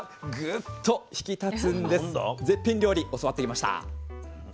絶品料理教わってきました。